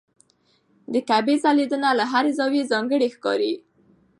د کعبې ځلېدنه له هر زاویې ځانګړې ښکاري.